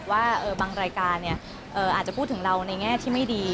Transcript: ว่าบางรายการอาจจะพูดถึงเราในแง่ที่ไม่ดี